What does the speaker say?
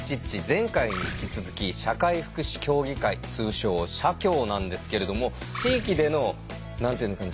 前回に引き続き社会福祉協議会通称社協なんですけれども地域での何て言うのかな